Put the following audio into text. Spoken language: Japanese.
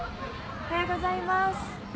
おはようございます。